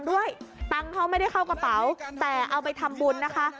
ด้วยตังค์เขาไม่ได้เข้ากระเป๋าแต่เอาไปทำบุญนะคะ